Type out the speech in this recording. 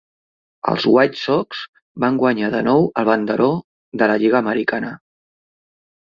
Els White Sox van guanyar de nou el banderó de la Lliga americana.